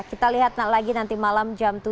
kita lihat lagi nanti malam jam tujuh